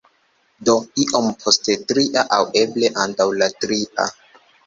Do, iom post tria aŭ eble antaŭ la tria